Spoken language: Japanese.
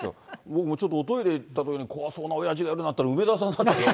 でもちょっとおトイレ行ったときに、怖そうなおやじがいるなと思ったら梅沢さんだった。